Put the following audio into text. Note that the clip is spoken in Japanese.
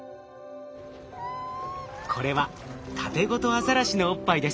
これはタテゴトアザラシのおっぱいです。